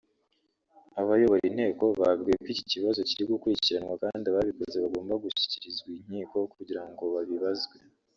Abayobora Inteko babwiwe ko ikibazo kiri gukurikiranwa kandi ababikoze bagomba gushyikirizwa inkiko kugira ngo babibazwe